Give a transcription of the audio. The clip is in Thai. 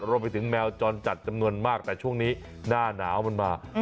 รวมไปถึงแมวจรจัดจำนวนมากแต่ช่วงนี้หน้าหนาวมันมา